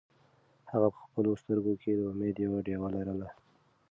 هغه په خپلو سترګو کې د امید یوه ډېوه لرله.